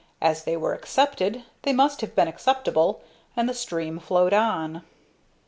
As they were accepted, they must have been acceptable, and the stream flowed on.